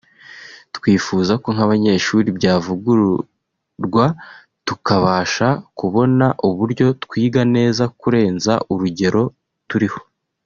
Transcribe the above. twifuza ko nk’abanyeshuri byavugururwa tukabasha kubona uburyo twiga neza kurenza urugero turiho